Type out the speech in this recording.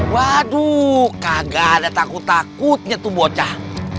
waduh kagak ada takut takutnya tuh bocah